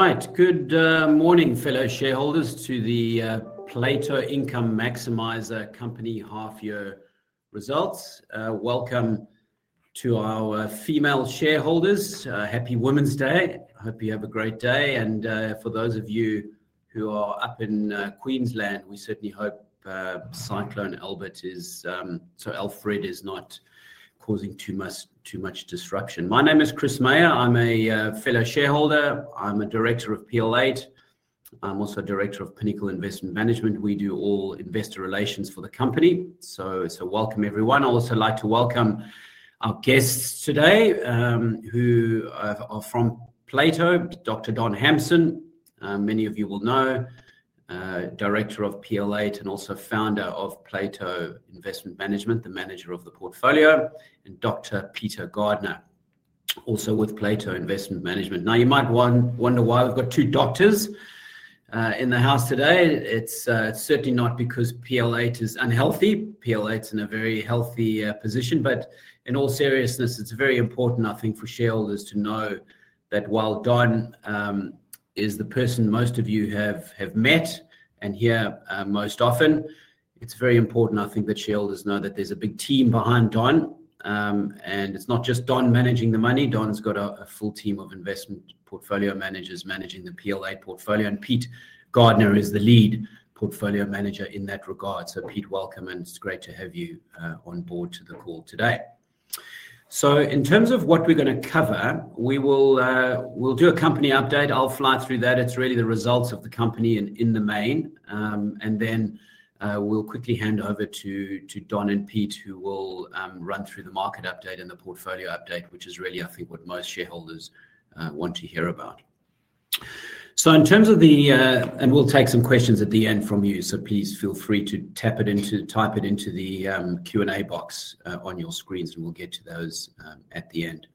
Right, good morning, fellow shareholders, to the Plato Income Maximiser Company half-year results. Welcome to our female shareholders. Happy Women's Day. I hope you have a great day. For those of you who are up in Queensland, we certainly hope Cyclone Alfred is not causing too much disruption. My name is Chris Meyer. I'm a fellow shareholder. I'm a director of PL8. I'm also a director of Pinnacle Investment Management. We do all investor relations for the company. Welcome, everyone. I'd also like to welcome our guests today who are from Plato, Dr. Don Hamson, many of you will know, director of PL8 and also founder of Plato Investment Management, the manager of the portfolio, and Dr. Peter Gardner, also with Plato Investment Management. Now, you might wonder why we've got two doctors in the house today. It's certainly not because PL8 is unhealthy. PL8's in a very healthy position. In all seriousness, it's very important, I think, for shareholders to know that while Don is the person most of you have met and hear most often, it's very important, I think, that shareholders know that there's a big team behind Don. It's not just Don managing the money. Don's got a full team of investment portfolio managers managing the PL8 portfolio. Pete Gardner is the lead portfolio manager in that regard. Pete, welcome. It's great to have you on board to the call today. In terms of what we're going to cover, we will do a company update. I'll fly through that. It's really the results of the company in the main. We'll quickly hand over to Don and Pete, who will run through the market update and the portfolio update, which is really, I think, what most shareholders want to hear about. In terms of the, we'll take some questions at the end from you so please feel free to type it in to the Q&A box on your screens and we'll get to those at the end.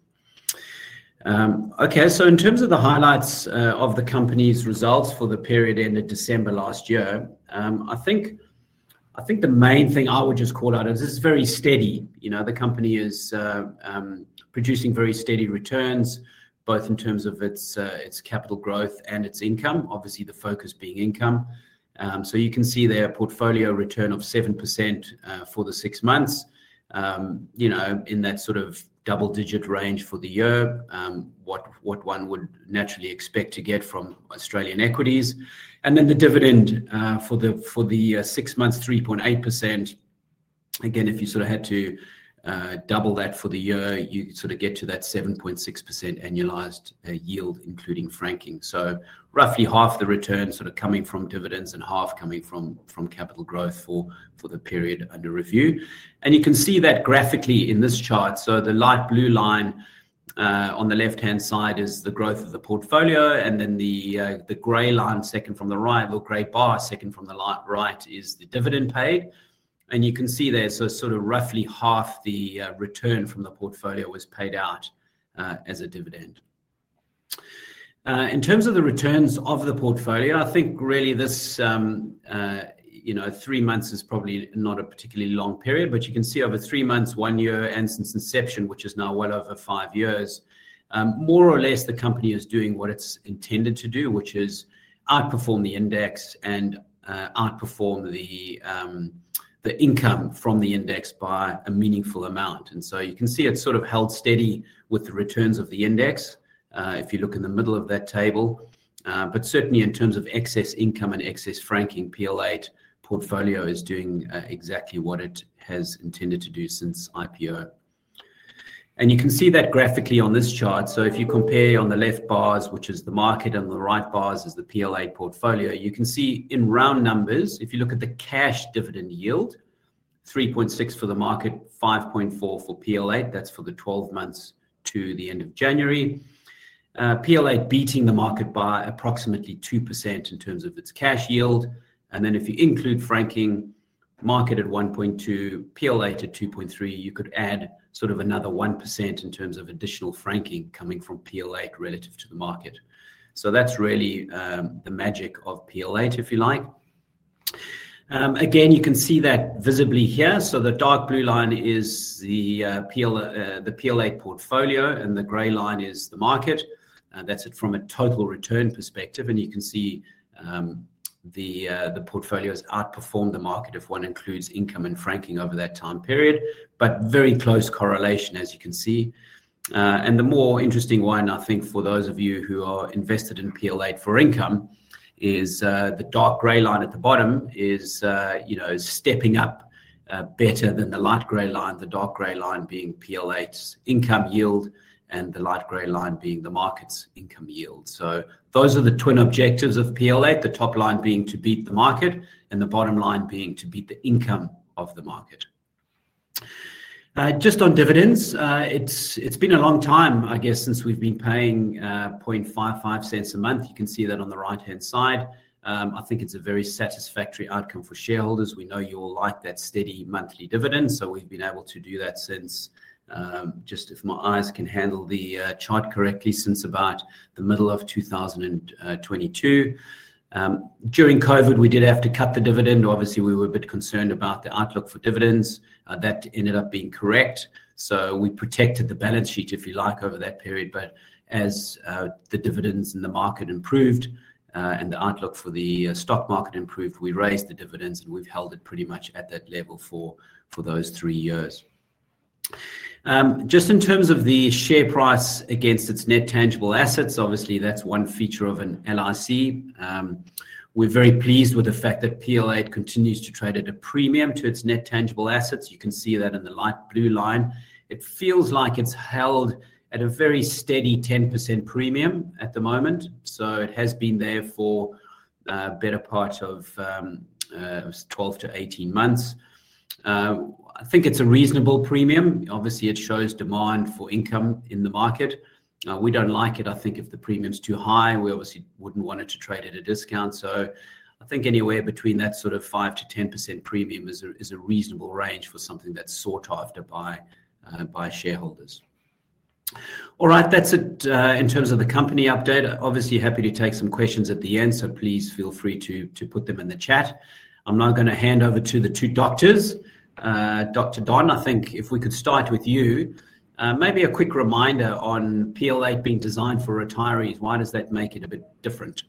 So in terms of highlights of the company's results for the period ended December last year, I think the main thing I would just call out is it's very steady. The company is producing very steady returns, both in terms of its capital growth and its income, obviously the focus being income. You can see their portfolio return of 7% for the six months in that sort of double-digit range for the year, what one would naturally expect to get from Australian equities. The dividend for the six months, 3.8%. Again, if you sort of had to double that for the year, you sort of get to that 7.6% annualized yield, including franking. Roughly half the return sort of coming from dividends and half coming from capital growth for the period under review. You can see that graphically in this chart. The light blue line on the left-hand side is the growth of the portfolio. The grey line second from the right, or grey bar second from the right, is the dividend paid. You can see there, so sort of roughly half the return from the portfolio was paid out as a dividend. In terms of the returns of the portfolio, I think really this three months is probably not a particularly long period. You can see over three months, one year and since inception, which is now well over five years, more or less the company is doing what it's intended to do, which is outperform the index and outperform the income from the index by a meaningful amount. You can see it's sort of held steady with the returns of the index, if you look in the middle of that table. Certainly in terms of excess income and excess franking, PL8 portfolio is doing exactly what it has intended to do since IPO. You can see that graphically on this chart. If you compare on the left bars, which is the market, and the right bars is the PL8 portfolio, you can see in round numbers, if you look at the cash dividend yield, 3.6% for the market, 5.4% for PL8, that's for the 12 months to the end of January, PL8 beating the market by approximately 2% in terms of its cash yield. If you include franking, market at 1.2%, PL8 at 2.3%, you could add sort of another 1% in terms of additional franking coming from PL8 relative to the market. That's really the magic of PL8, if you like. Again, you can see that visibly here. The dark blue line is the PL8 portfolio, and the grey line is the market. That's it from a total return perspective. You can see the portfolio has outperformed the market if one includes income and franking over that time period, but very close correlation, as you can see. The more interesting one, I think, for those of you who are invested in PL8 for income is the dark grey line at the bottom is stepping up better than the light grey line, the dark grey line being PL8's income yield and the light grey line being the market's income yield. Those are the twin objectives of PL8, the top line being to beat the market and the bottom line being to beat the income of the market. Just on dividends, it's been a long time, I guess, since we've been paying 0.0055 a month. You can see that on the right-hand side. I think it's a very satisfactory outcome for shareholders. We know you all like that steady monthly dividend. We have been able to do that since, just if my eyes can handle the chart correctly, since about the middle of 2022. During COVID, we did have to cut the dividend. Obviously, we were a bit concerned about the outlook for dividends. That ended up being correct. We protected the balance sheet, if you like, over that period. As the dividends and the market improved and the outlook for the stock market improved, we raised the dividends, and we have held it pretty much at that level for those three years. Just in terms of the share price against its net tangible assets, obviously, that is one feature of an LIC. We are very pleased with the fact that PL8 continues to trade at a premium to its net tangible assets. You can see that in the light blue line. It feels like it's held at a very steady 10% premium at the moment. It has been there for a better part of 12-18 months. I think it's a reasonable premium. Obviously, it shows demand for income in the market. We don't like it, I think, if the premium's too high. We obviously wouldn't want it to trade at a discount. I think anywhere between that sort of 5-10% premium is a reasonable range for something that's sought after by shareholders. All right, that's it in terms of the company update. Obviously, happy to take some questions at the end. Please feel free to put them in the chat. I'm now going to hand over to the two doctors. Dr. Don, I think if we could start with you, maybe a quick reminder on PL8 being designed for retirees. Why does that make it a bit different?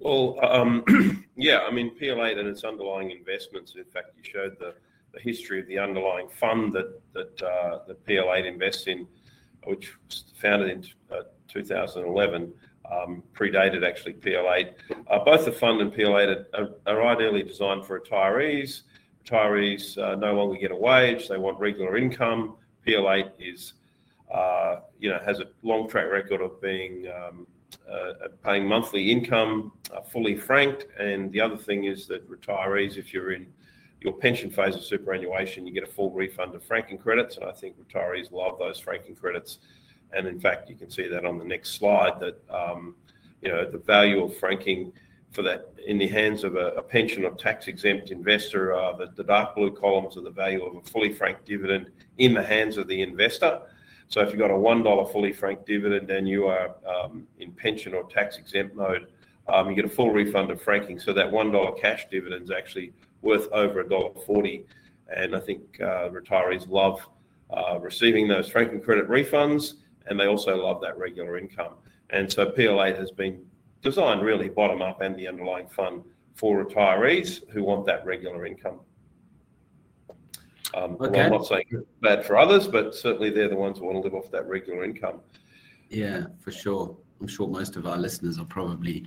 Yeah, I mean, PL8 and its underlying investments, in fact, you showed the history of the underlying fund that PL8 invests in, which was founded in 2011, predated actually PL8. Both the fund and PL8 are ideally designed for retirees. Retirees no longer get a wage. They want regular income. PL8 has a long track record of paying monthly income, fully franked. The other thing is that retirees, if you're in your pension phase of superannuation, you get a full refund of franking credits. I think retirees love those franking credits. In fact, you can see that on the next slide, that the value of franking in the hands of a pension or tax-exempt investor, the dark blue columns are the value of a fully franked dividend in the hands of the investor. If you've got a $1 fully franked dividend and you are in pension or tax-exempt mode, you get a full refund of franking. That $1 cash dividend is actually worth over $1.40. I think retirees love receiving those franking credit refunds, and they also love that regular income. PL8 has been designed really bottom-up and the underlying fund for retirees who want that regular income. I'm not saying that for others, but certainly they're the ones who want to live off that regular income. Yeah, for sure. I'm sure most of our listeners are probably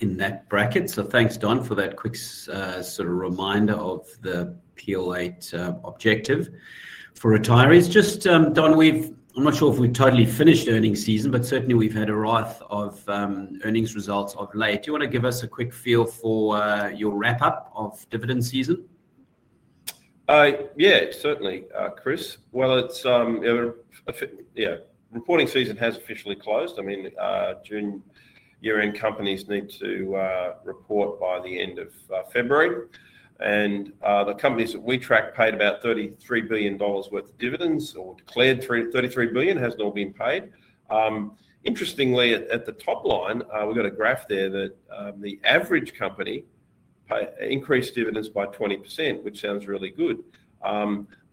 in that bracket. Thanks, Don, for that quick sort of reminder of the PL8 objective for retirees. Just, Don, I'm not sure if we've totally finished earnings season, but certainly we've had a raft of earnings results of late. Do you want to give us a quick feel for your wrap-up of dividend season? Yeah, certainly, Chris. Reporting season has officially closed. I mean, June year-end companies need to report by the end of February. The companies that we track paid about 33 billion dollars worth of dividends or declared 33 billion has not been paid. Interestingly, at the top line, we've got a graph there that the average company increased dividends by 20%, which sounds really good.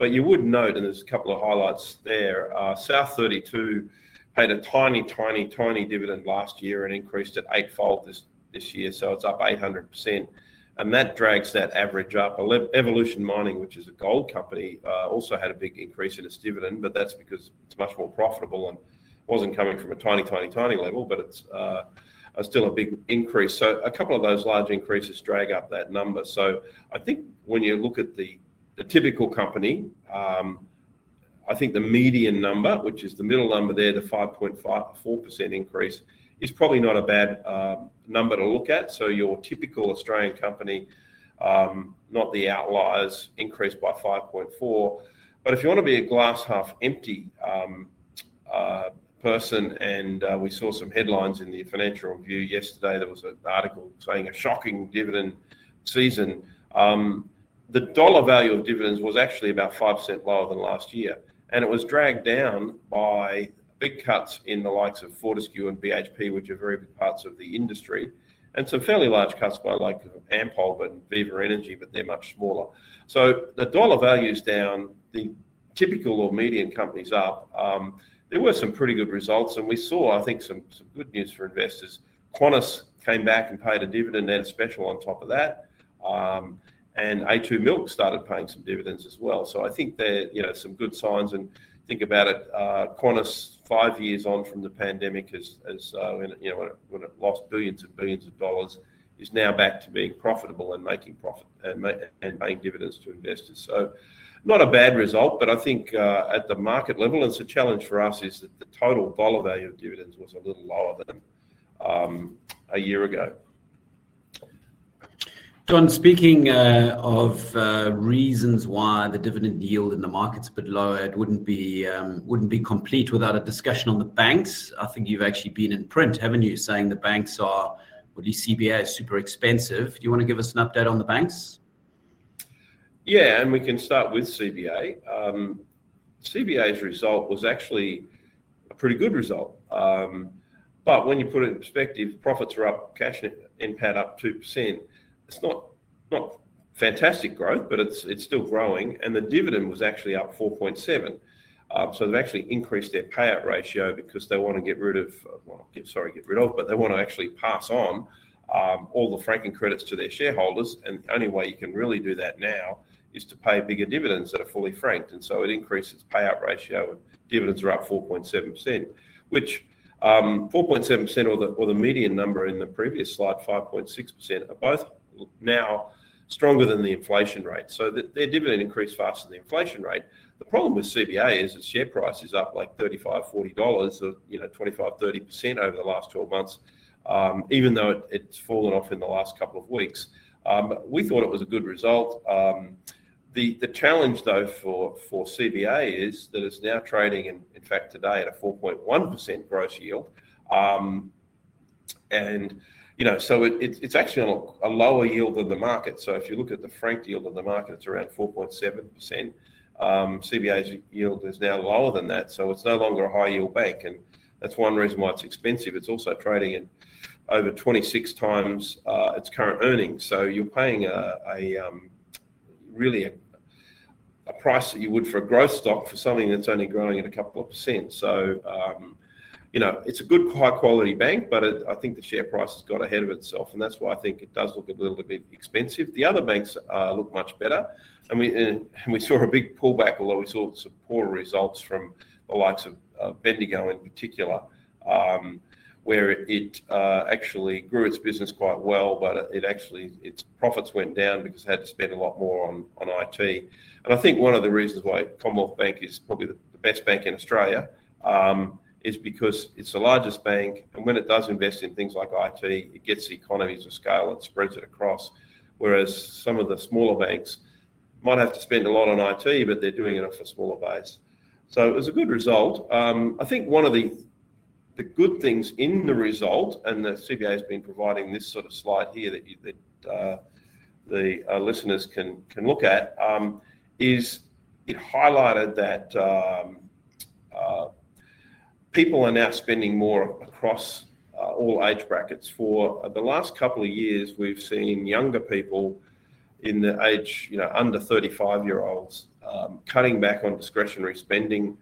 You would note, and there's a couple of highlights there, South32 paid a tiny, tiny, tiny dividend last year and increased it eightfold this year. It is up 800%. That drags that average up. Evolution Mining, which is a gold company, also had a big increase in its dividend, but that's because it is much more profitable and was not coming from a tiny, tiny, tiny level, but it is still a big increase. A couple of those large increases drag up that number. I think when you look at the typical company, I think the median number, which is the middle number there, the 5.4% increase, is probably not a bad number to look at. Your typical Australian company, not the outliers, increased by 5.4%. If you want to be a glass half empty person, and we saw some headlines in the Financial Review yesterday, there was an article saying a shocking dividend season. The dollar value of dividends was actually about 5% lower than last year. It was dragged down by big cuts in the likes of Fortescue and BHP, which are very big parts of the industry, and some fairly large cuts by Ampol and Viva Energy, but they are much smaller. The dollar value is down, the typical or median company is up. There were some pretty good results. We saw, I think, some good news for investors. Qantas came back and paid a dividend and special on top of that. A2 Milk started paying some dividends as well. I think there are some good signs. Think about it, Qantas, five years on from the pandemic, when it lost billions and billions of dollars, is now back to being profitable and making profit and paying dividends to investors. Not a bad result. I think at the market level, the challenge for us is that the total dollar value of dividends was a little lower than a year ago. Don, speaking of reasons why the dividend yield in the market's a bit low, it wouldn't be complete without a discussion on the banks. I think you've actually been in print, haven't you, saying the banks are, well, CBA is super expensive. Do you want to give us an update on the banks? Yeah, and we can start with CBA. CBA's result was actually a pretty good result. When you put it in perspective, profits are up, cash impact up 2%. It's not fantastic growth, but it's still growing. The dividend was actually up 4.7. They've actually increased their payout ratio because they want to get rid of, well, sorry, get rid of, but they want to actually pass on all the franking credits to their shareholders. The only way you can really do that now is to pay bigger dividends that are fully franked. It increased its payout ratio. Dividends are up 4.7%, which 4.7% or the median number in the previous slide, 5.6%, are both now stronger than the inflation rate. Their dividend increased faster than the inflation rate. The problem with CBA is its share price is up like $35-$40, 25-30% over the last 12 months, even though it's fallen off in the last couple of weeks. We thought it was a good result. The challenge, though, for CBA is that it's now trading, in fact, today at a 4.1% gross yield. It's actually a lower yield than the market. If you look at the franked yield in the market, it's around 4.7%. CBA's yield is now lower than that. It's no longer a high-yield bank. That's one reason why it's expensive. It's also trading at over 26 times its current earnings. You're paying really a price that you would for a growth stock for something that's only growing at a couple of percent. It's a good, high-quality bank, but I think the share price has got ahead of itself. I think it does look a little bit expensive. The other banks look much better. We saw a big pullback, although we saw some poor results from the likes of Bendigo in particular, where it actually grew its business quite well, but its profits went down because it had to spend a lot more on IT. I think one of the reasons why Commonwealth Bank is probably the best bank in Australia is because it's the largest bank. When it does invest in things like IT, it gets the economies of scale and spreads it across, whereas some of the smaller banks might have to spend a lot on IT, but they're doing it off a smaller base. It was a good result. I think one of the good things in the result, and CBA has been providing this sort of slide here that the listeners can look at, is it highlighted that people are now spending more across all age brackets. For the last couple of years, we've seen younger people in the age under 35-year-olds cutting back on discretionary spending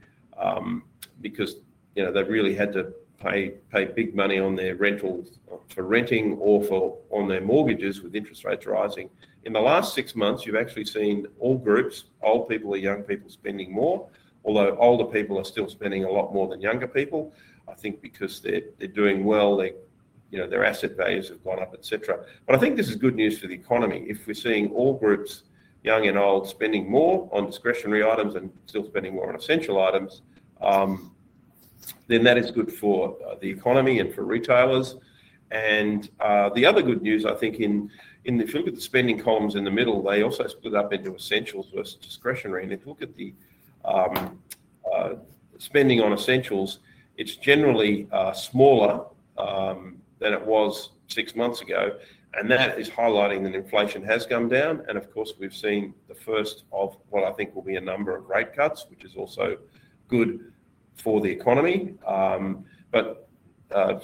because they really had to pay big money on their rentals for renting or on their mortgages with interest rates rising. In the last six months, you've actually seen all groups, old people or young people, spending more, although older people are still spending a lot more than younger people, I think because they're doing well, their asset values have gone up, etc. I think this is good news for the economy. If we're seeing all groups, young and old, spending more on discretionary items and still spending more on essential items, that is good for the economy and for retailers. The other good news, I think, if you look at the spending columns in the middle, they also split up into essentials versus discretionary. If you look at the spending on essentials, it's generally smaller than it was six months ago. That is highlighting that inflation has come down. Of course, we've seen the first of what I think will be a number of rate cuts, which is also good for the economy.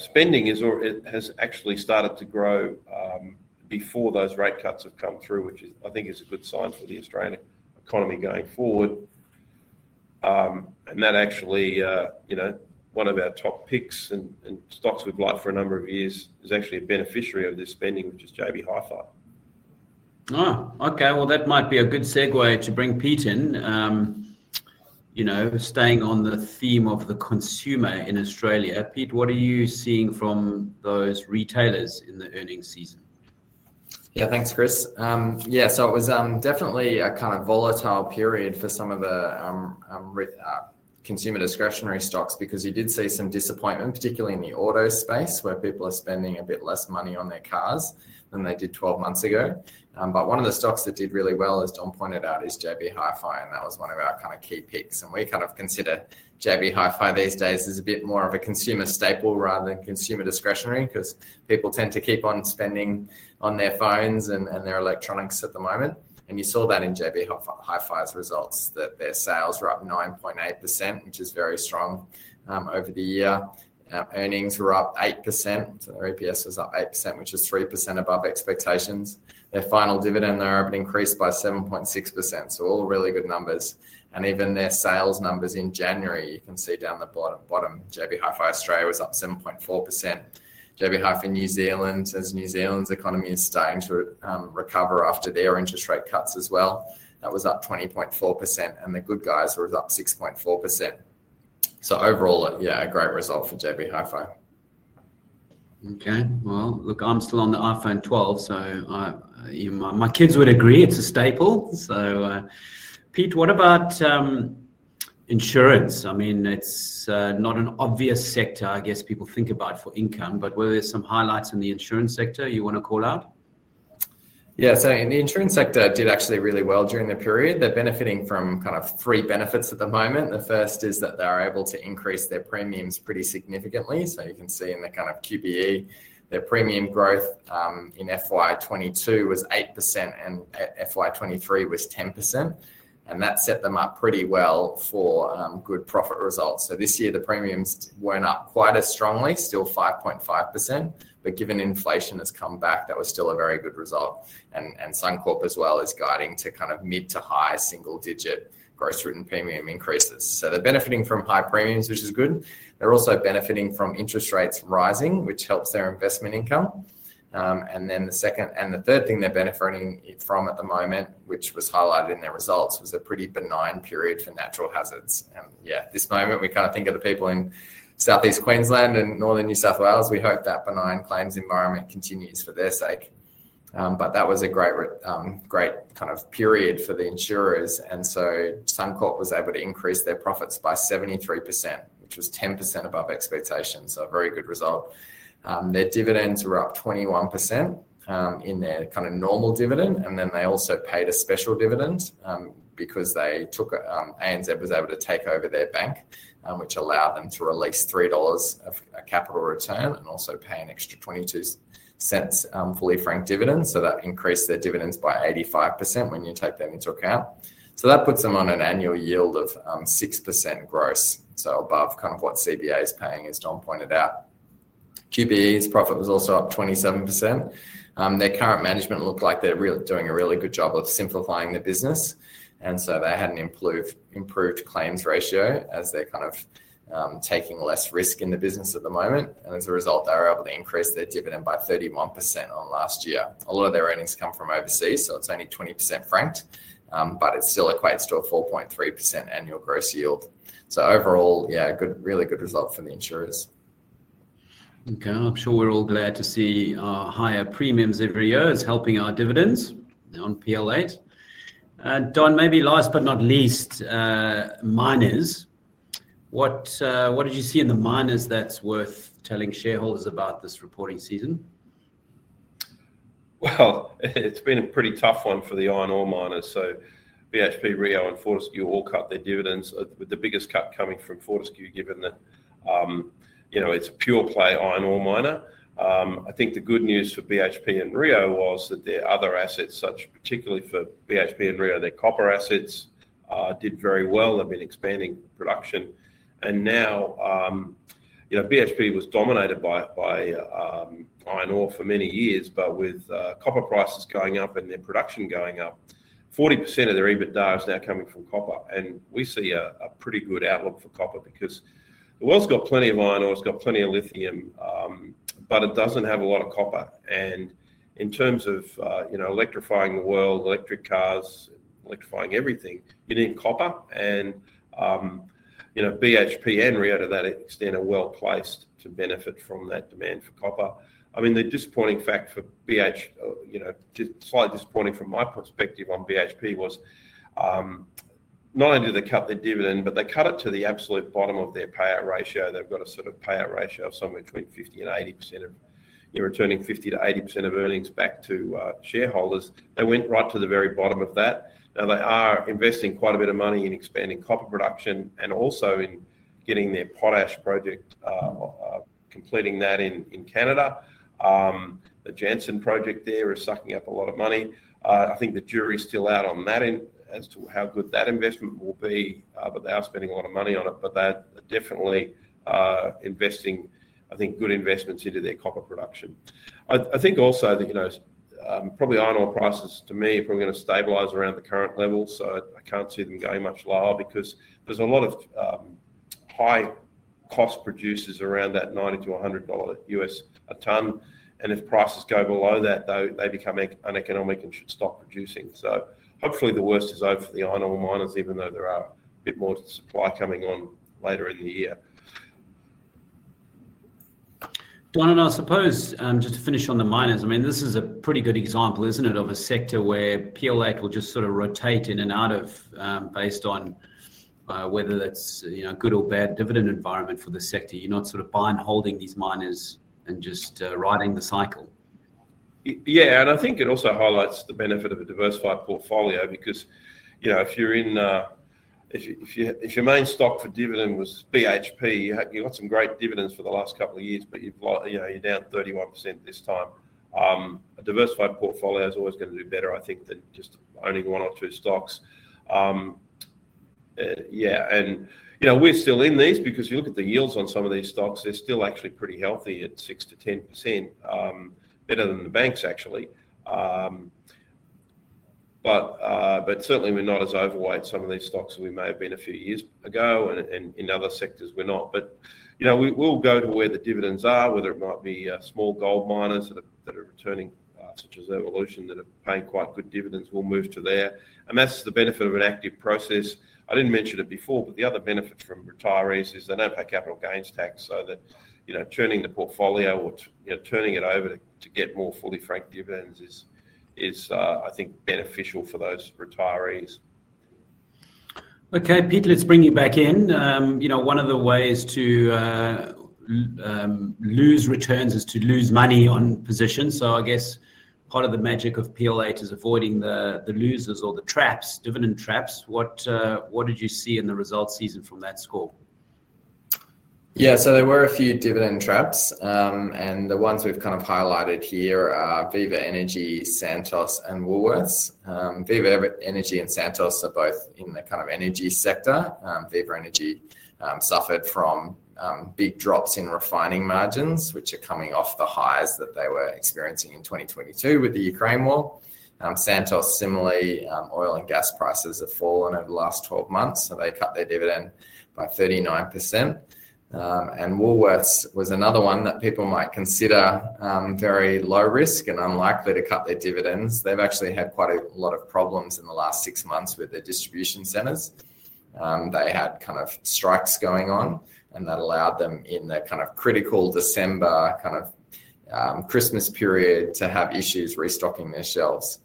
Spending has actually started to grow before those rate cuts have come through, which I think is a good sign for the Australian economy going forward. Actually, one of our top picks and stocks we've liked for a number of years is actually a beneficiary of this spending, which is JB Hi-Fi. Oh, okay. That might be a good segue to bring Pete in, staying on the theme of the consumer in Australia. Pete, what are you seeing from those retailers in the earnings season? Yeah, thanks, Chris. Yeah, it was definitely a kind of volatile period for some of the consumer discretionary stocks because you did see some disappointment, particularly in the auto space, where people are spending a bit less money on their cars than they did 12 months ago. One of the stocks that did really well, as Don pointed out, is JB Hi-Fi. That was one of our kind of key picks. We kind of consider JB Hi-Fi these days as a bit more of a consumer staple rather than consumer discretionary because people tend to keep on spending on their phones and their electronics at the moment. You saw that in JB Hi-Fi's results, that their sales were up 9.8%, which is very strong over the year. Earnings were up 8%. Their EPS was up 8%, which is 3% above expectations. Their final dividend there increased by 7.6%. All really good numbers. Even their sales numbers in January, you can see down the bottom, JB Hi-Fi Australia was up 7.4%. JB Hi-Fi New Zealand says New Zealand's economy is starting to recover after their interest rate cuts as well. That was up 20.4%. The Good Guys were up 6.4%. Overall, yeah, a great result for JB Hi-Fi. Okay. Look, I'm still on the iPhone 12, so my kids would agree it's a staple. So Pete, what about insurance? I mean, it's not an obvious sector, I guess, people think about for income, but were there some highlights in the insurance sector you want to call out? Yeah. In the insurance sector, it did actually really well during the period. They're benefiting from kind of three benefits at the moment. The first is that they're able to increase their premiums pretty significantly. You can see in the kind of QBE, their premium growth in FY2022 was 8% and FY2023 was 10%. That set them up pretty well for good profit results. This year, the premiums were not up quite as strongly, still 5.5%. Given inflation has come back, that was still a very good result. SunCorp as well is guiding to kind of mid- to high single-digit gross written premium increases. They're benefiting from high premiums, which is good. They're also benefiting from interest rates rising, which helps their investment income. The second and the third thing they're benefiting from at the moment, which was highlighted in their results, was a pretty benign period for natural hazards. At this moment, we kind of think of the people in Southeast Queensland and northern New South Wales. We hope that benign claims environment continues for their sake. That was a great kind of period for the insurers. SunCorp was able to increase their profits by 73%, which was 10% above expectations. A very good result. Their dividends were up 21% in their kind of normal dividend. They also paid a special dividend because ANZ was able to take over their bank, which allowed them to release 3 dollars of capital return and also pay an extra 0.22 fully franked dividend. That increased their dividends by 85% when you take that into account. That puts them on an annual yield of 6% gross. Above kind of what CBA is paying, as Don pointed out. QBE's profit was also up 27%. Their current management looked like they're doing a really good job of simplifying the business. They had an improved claims ratio as they're kind of taking less risk in the business at the moment. As a result, they were able to increase their dividend by 31% on last year. A lot of their earnings come from overseas, so it's only 20% franked, but it still equates to a 4.3% annual gross yield. Overall, yeah, a really good result for the insurers. Okay. I'm sure we're all glad to see higher premiums every year is helping our dividends on PL8. Don, maybe last but not least, miners. What did you see in the miners that's worth telling shareholders about this reporting season? It's been a pretty tough one for the iron ore miners. BHP, Rio, and Fortescue all cut their dividends, with the biggest cut coming from Fortescue given that it's a pure-play iron ore miner. I think the good news for BHP and Rio was that their other assets, particularly for BHP and Rio, their copper assets did very well. They've been expanding production. BHP was dominated by iron ore for many years, but with copper prices going up and their production going up, 40% of their EBITDA is now coming from copper. We see a pretty good outlook for copper because the world's got plenty of iron ore, it's got plenty of lithium, but it doesn't have a lot of copper. In terms of electrifying the world, electric cars, electrifying everything, you need copper. BHP and Rio, to that extent, are well placed to benefit from that demand for copper. I mean, the disappointing fact for BHP, slightly disappointing from my perspective on BHP, was not only did they cut their dividend, but they cut it to the absolute bottom of their payout ratio. They have got a sort of payout ratio of somewhere between 50% and 80% of returning 50%-80% of earnings back to shareholders. They went right to the very bottom of that. Now, they are investing quite a bit of money in expanding copper production and also in getting their Potash project completing that in Canada. The Janssen project there is sucking up a lot of money. I think the jury is still out on that as to how good that investment will be, but they are spending a lot of money on it. They're definitely investing, I think, good investments into their copper production. I think also that probably iron ore prices, to me, are probably going to stabilize around the current level. I can't see them going much lower because there's a lot of high-cost producers around $90-$100 US a ton. If prices go below that, they become uneconomic and should stop producing. Hopefully the worst is over for the iron ore miners, even though there is a bit more supply coming on later in the year. Don, and I suppose, just to finish on the miners, I mean, this is a pretty good example, isn't it, of a sector where PL8 will just sort of rotate in and out of based on whether it's a good or bad dividend environment for the sector. You're not sort of buying and holding these miners and just riding the cycle. Yeah. I think it also highlights the benefit of a diversified portfolio because if your main stock for dividend was BHP, you have got some great dividends for the last couple of years, but you are down 31% this time. A diversified portfolio is always going to do better, I think, than just owning one or two stocks. Yeah. We are still in these because if you look at the yields on some of these stocks, they are still actually pretty healthy at 6-10%, better than the banks, actually. Certainly, we are not as overweight some of these stocks as we may have been a few years ago. In other sectors, we are not. We will go to where the dividends are, whether it might be small gold miners that are returning, such as Evolution, that are paying quite good dividends. We will move to there. That is the benefit of an active process. I did not mention it before, but the other benefit for retirees is they do not pay capital gains tax. Turning the portfolio or turning it over to get more fully franked dividends is, I think, beneficial for those retirees. Okay. Pete, let's bring you back in. One of the ways to lose returns is to lose money on positions. I guess part of the magic of PL8 is avoiding the losers or the traps, dividend traps. What did you see in the result season from that score? Yeah. There were a few dividend traps. The ones we've kind of highlighted here are Viva Energy, Santos, and Woolworths. Viva Energy and Santos are both in the energy sector. Viva Energy suffered from big drops in refining margins, which are coming off the highs that they were experiencing in 2022 with the Ukraine war. Santos, similarly, oil and gas prices have fallen over the last 12 months. They cut their dividend by 39%. Woolworths was another one that people might consider very low risk and unlikely to cut their dividends. They've actually had quite a lot of problems in the last six months with their distribution centers. They had strikes going on, and that allowed them in their critical December Christmas period to have issues restocking their shelves.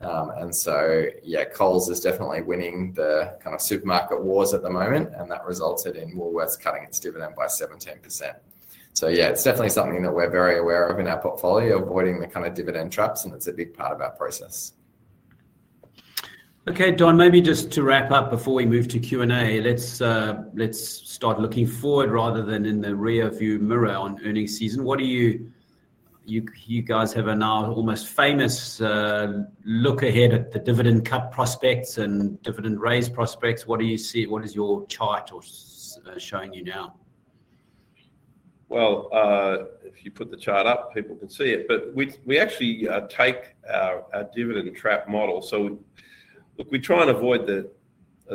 Yeah, Coles is definitely winning the kind of supermarket wars at the moment. That resulted in Woolworths cutting its dividend by 17%. Yeah, it's definitely something that we're very aware of in our portfolio, avoiding the kind of dividend traps. It's a big part of our process. Okay. Don, maybe just to wrap up before we move to Q&A, let's start looking forward rather than in the rearview mirror on earnings season. What do you guys have, a now almost famous look ahead at the dividend cut prospects and dividend raise prospects? What do you see? What is your chart showing you now? If you put the chart up, people can see it. We actually take our dividend trap model. We try and avoid the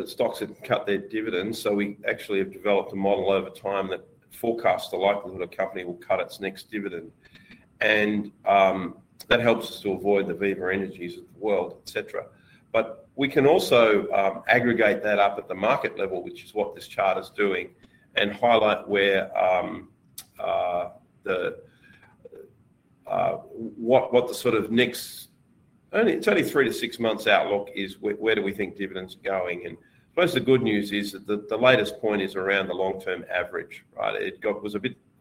stocks that cut their dividends. We actually have developed a model over time that forecasts the likelihood a company will cut its next dividend. That helps us to avoid the Viva Energies of the world, etc. We can also aggregate that up at the market level, which is what this chart is doing, and highlight what the sort of next—it is only three to six months outlook—is where we think dividends are going. Most of the good news is that the latest point is around the long-term average, right?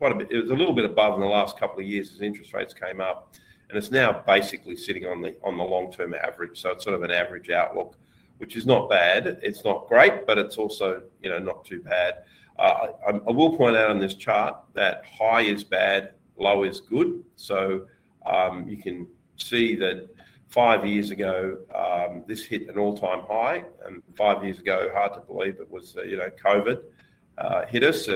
It was a bit—it was a little bit above in the last couple of years as interest rates came up. It is now basically sitting on the long-term average. It is sort of an average outlook, which is not bad. It is not great, but it is also not too bad. I will point out on this chart that high is bad, low is good. You can see that five years ago, this hit an all-time high. Five years ago, hard to believe, it was COVID that hit us.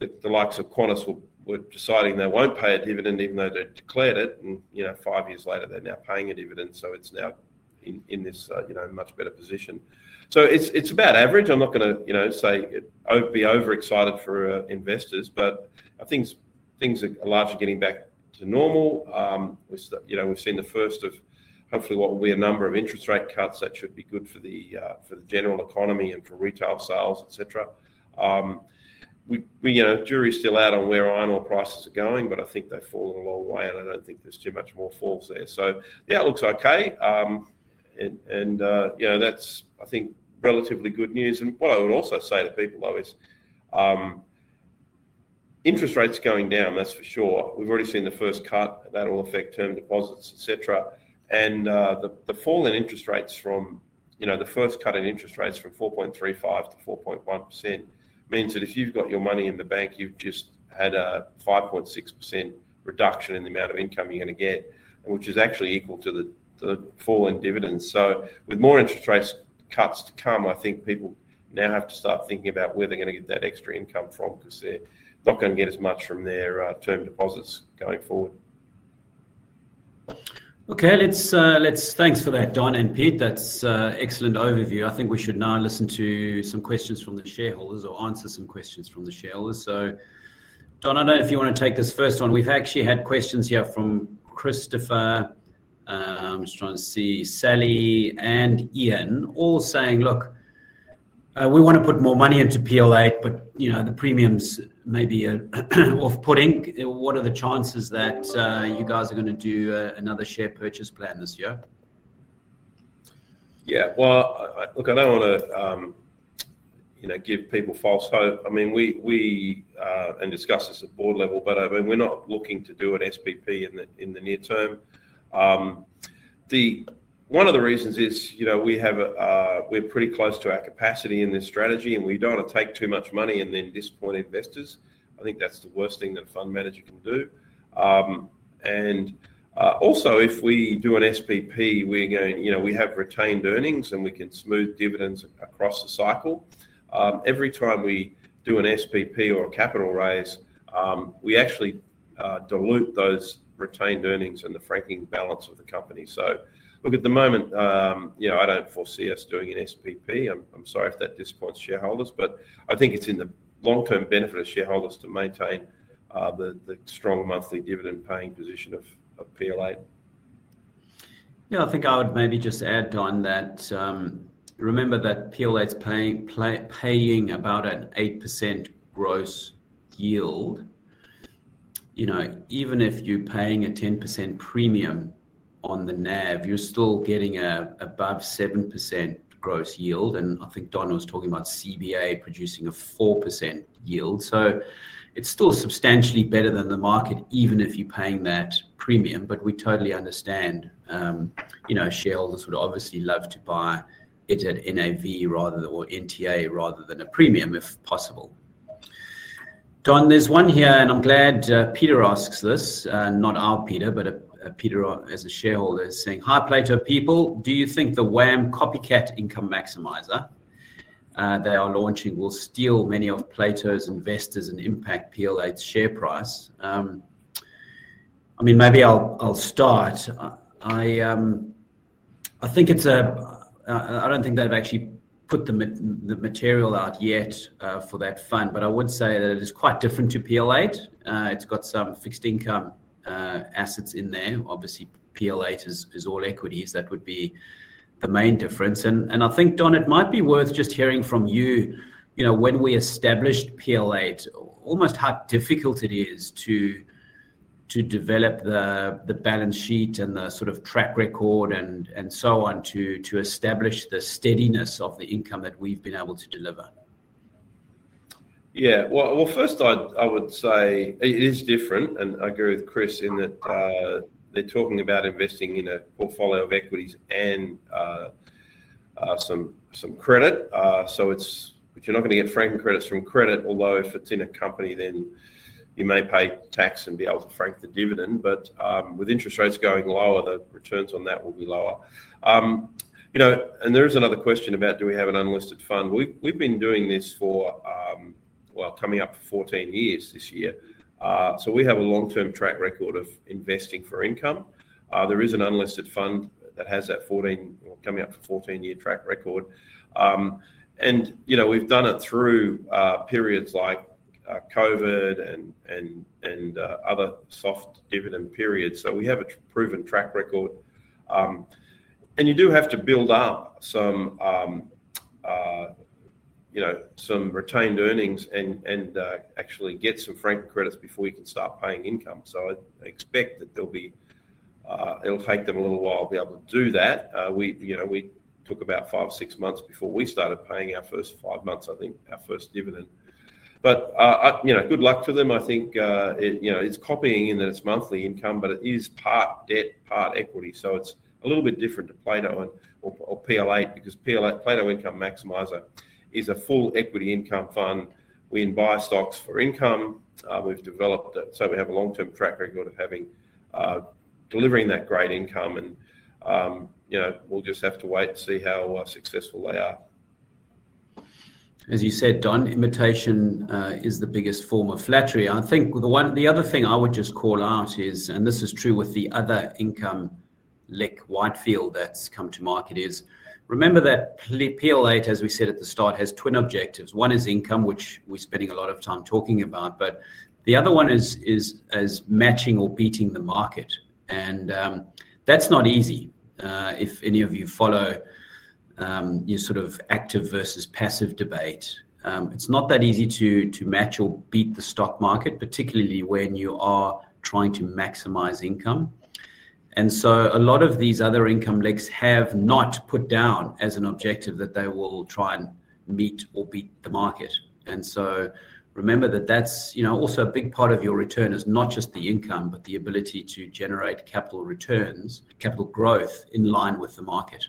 The likes of Qantas were deciding they would not pay a dividend even though they declared it. Five years later, they are now paying a dividend. It is now in this much better position. It is about average. I am not going to say be overexcited for investors. I think things are largely getting back to normal. We have seen the first of hopefully what will be a number of interest rate cuts that should be good for the general economy and for retail sales, etc. The jury's still out on where iron ore prices are going, but I think they've fallen a long way. I don't think there's too much more falls there. Yeah, it looks okay. That's, I think, relatively good news. What I would also say to people, though, is interest rates going down, that's for sure. We've already seen the first cut. That will affect term deposits, etc. The fall in interest rates from the first cut in interest rates from 4.35% to 4.1% means that if you've got your money in the bank, you've just had a 5.6% reduction in the amount of income you're going to get, which is actually equal to the fall in dividends. With more interest rate cuts to come, I think people now have to start thinking about where they're going to get that extra income from because they're not going to get as much from their term deposits going forward. Okay. Thanks for that, Don and Pete. That's an excellent overview. I think we should now listen to some questions from the shareholders or answer some questions from the shareholders. Don, I don't know if you want to take this first one. We've actually had questions here from Christopher—I'm just trying to see—Sally and Ian, all saying, "Look, we want to put more money into PL8, but the premiums may be off-putting." What are the chances that you guys are going to do another share purchase plan this year? Yeah. Look, I don't want to give people false hope. I mean, we discuss this at board level, but I mean, we're not looking to do an SPP in the near term. One of the reasons is we're pretty close to our capacity in this strategy, and we don't want to take too much money and then disappoint investors. I think that's the worst thing that a fund manager can do. Also, if we do an SPP, we have retained earnings, and we can smooth dividends across the cycle. Every time we do an SPP or a capital raise, we actually dilute those retained earnings and the franking balance of the company. At the moment, I don't foresee us doing an SPP. I'm sorry if that disappoints shareholders, but I think it's in the long-term benefit of shareholders to maintain the strong monthly dividend-paying position of PL8. Yeah. I think I would maybe just add, Don, that remember that PL8's paying about an 8% gross yield. Even if you're paying a 10% premium on the NAV, you're still getting above 7% gross yield. I think Don was talking about CBA producing a 4% yield. It is still substantially better than the market, even if you're paying that premium. We totally understand shareholders would obviously love to buy it at NAV or NTA rather than a premium, if possible. Don, there's one here, and I'm glad Peter asks this, not our Peter, but Peter as a shareholder is saying, "Hi, Plato people. Do you think the WAM Copycat Income Maximizer they are launching will steal many of Plato's investors and impact PL8's share price?" I mean, maybe I'll start. I think it's a—I don't think they've actually put the material out yet for that fund, but I would say that it is quite different to PL8. It's got some fixed income assets in there. Obviously, PL8 is all equities. That would be the main difference. I think, Don, it might be worth just hearing from you when we established PL8, almost how difficult it is to develop the balance sheet and the sort of track record and so on to establish the steadiness of the income that we've been able to deliver. Yeah. First, I would say it is different. I agree with Chris in that they're talking about investing in a portfolio of equities and some credit. You're not going to get franking credits from credit, although if it's in a company, then you may pay tax and be able to frank the dividend. With interest rates going lower, the returns on that will be lower. There is another question about, "Do we have an unlisted fund?" We've been doing this for, coming up for 14 years this year. We have a long-term track record of investing for income. There is an unlisted fund that has that 14, coming up for 14-year track record. We've done it through periods like COVID and other soft dividend periods. We have a proven track record. You do have to build up some retained earnings and actually get some franking credits before you can start paying income. I expect that it'll take them a little while to be able to do that. We took about five or six months before we started paying our first five months, I think, our first dividend. Good luck to them. I think it's copying in that it's monthly income, but it is part debt, part equity. It is a little bit different to Plato or PL8 because Plato Income Maximiser is a full equity income fund. We invite stocks for income. We've developed it. We have a long-term track record of delivering that great income. We'll just have to wait and see how successful they are. As you said, Don, imitation is the biggest form of flattery. I think the other thing I would just call out is, and this is true with the other income LIC, Whitefield, that's come to market, is remember that PL8, as we said at the start, has twin objectives. One is income, which we're spending a lot of time talking about, but the other one is matching or beating the market. That's not easy. If any of you follow your sort of active versus passive debate, it's not that easy to match or beat the stock market, particularly when you are trying to maximize income. A lot of these other income LICs have not put down as an objective that they will try and meet or beat the market. Remember that that's also a big part of your return, not just the income, but the ability to generate capital returns, capital growth in line with the market.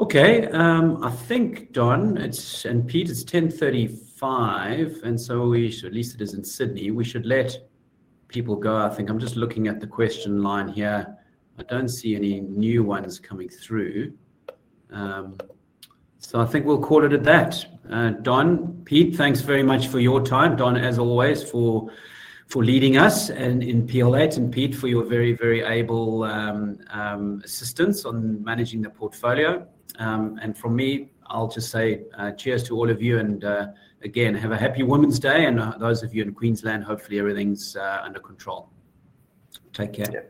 Okay. I think, Don and Pete, it's 10:35. At least it is in Sydney. We should let people go. I think I'm just looking at the question line here. I don't see any new ones coming through. I think we'll call it at that. Don, Pete, thanks very much for your time. Don, as always, for leading us in PL8. Pete, for your very, very able assistance on managing the portfolio. From me, I'll just say cheers to all of you. Again, have a happy Women's Day. Those of you in Queensland, hopefully everything's under control. Take care.